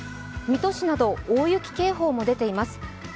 水戸市など大雪警報も出ています。